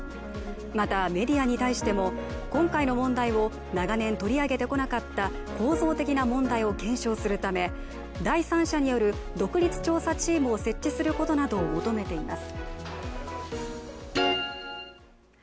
また、メディアに対しても、今回の問題を長年取り上げてこなかった構造的な問題を検証するため第三者による独立調査チームを設置することなどを求めています。